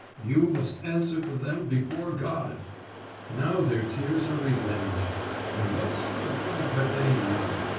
You must answer for them before God! Now their tears are revenged." And what sort of life have they now?